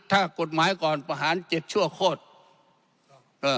ถ้ากฎหมายก่อนประหาร๗ชั่วโคตร